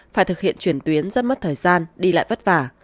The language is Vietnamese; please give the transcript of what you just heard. phải thực hiện chuyển tuyến rất mất thời gian đi lại vất vả